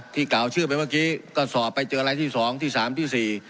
กล่าวชื่อไปเมื่อกี้ก็สอบไปเจออะไรที่สองที่สามที่สี่